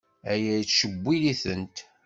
Aya yettcewwil-itent.